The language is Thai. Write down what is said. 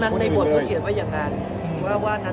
มันในบทเขาเขียนว่าอย่างนั้น